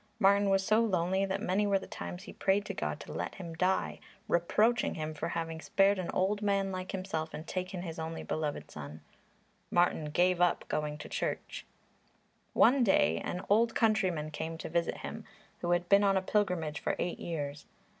Martin was so lonely that many were the times he prayed to God to let him die, reproaching Him for having spared an old man like himself and taken his only beloved son. Martin gave up going to church. One day an old countryman came to visit him, who had been on a pilgrimage for eight years.